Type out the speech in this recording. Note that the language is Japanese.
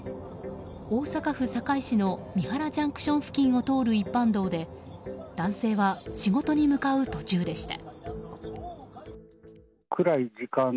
大阪府堺市の美原ＪＣＴ付近を通る一般道で男性は仕事に向かう途中でした。